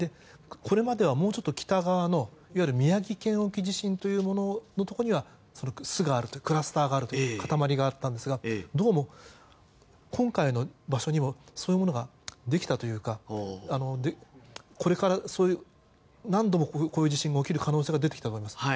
これまでは、もうちょっと北側のいわゆる宮城県沖の地震というところにはクラスター塊があったんですがどうも、今回の場所にもそういうものができたというかこれから何度もこういう地震が起きる可能性が出てきたんです。